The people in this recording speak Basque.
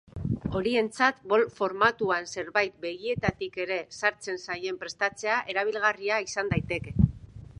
Horientzat bowl formatuan zerbait begietatik ere sartzen zaien prestatzea erabilgarria izan daiteke.